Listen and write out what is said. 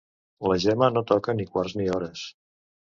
La Gemma no toca ni quarts ni hores.